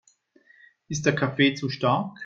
Ist der Kaffee zu stark?